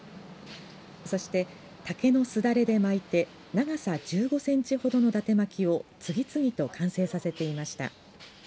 そして、竹のすだれで巻いて長さ１５センチほどのだて巻きを次々と完成させていました。